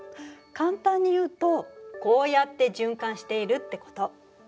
簡単に言うとこうやって循環しているってこと。